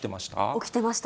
起きてました。